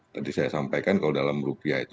tadi saya sampaikan kalau dalam rupiah itu